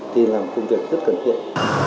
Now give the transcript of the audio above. thì làm công việc rất cần thiện